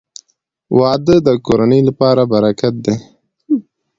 • واده د کورنۍ لپاره برکت دی.